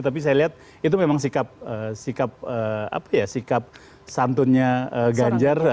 tapi saya lihat itu memang sikap santunnya ganjar